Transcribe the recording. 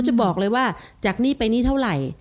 จะบอกเลยว่าจากนี้ไปนี่เท่าไหร่